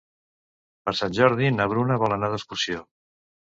Per Sant Jordi na Bruna vol anar d'excursió.